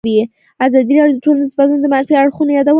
ازادي راډیو د ټولنیز بدلون د منفي اړخونو یادونه کړې.